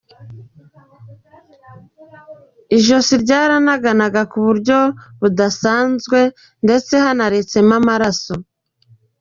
Ijosi ryaranaganaga ku buryo budasanzwe ndetse hanaretsemo amaraso.